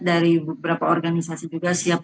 dari beberapa organisasi juga siap